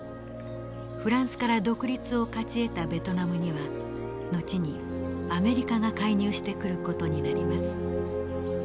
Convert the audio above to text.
フランスから独立を勝ち得たベトナムには後にアメリカが介入してくる事になります。